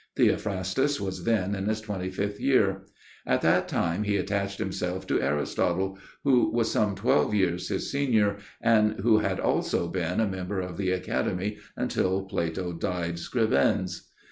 Theophrastus was then in his twenty fifth year. At that time he attached himself to Aristotle, who was some twelve years his senior and who had also been a member of the Academy, until Plato died scribens.